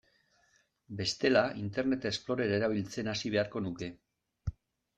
Bestela, Internet Explorer erabiltzen hasi beharko nuke.